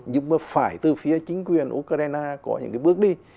nhưng mà phải từ phía chính quyền ukraine có những cái bước đi